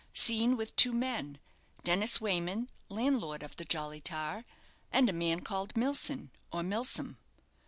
Seen with two men, Dennis Wayman, landlord of the 'Jolly Tar,' and a man called Milson, or Milsom.